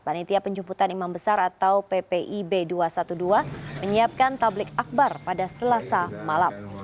panitia penjemputan imam besar atau ppi b dua ratus dua belas menyiapkan tablik akbar pada selasa malam